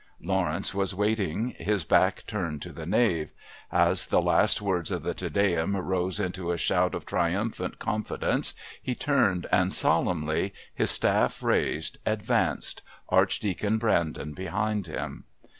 Lawrence was waiting, his back turned to the nave. As the last words of the "Te Deum" rose into a shout of triumphant confidence he turned and solemnly, his staff raised, advanced, Archdeacon Brandon behind him.